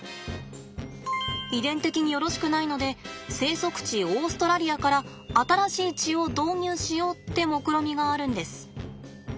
遺伝的によろしくないので生息地オーストラリアから新しい血を導入しようってもくろみがあるんです。